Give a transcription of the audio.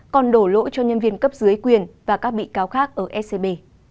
còn đổ lỗi cho nhân viên cấp dưới quyền và các bị cáo khác ở scb